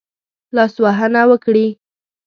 لاسوهنه وکړي.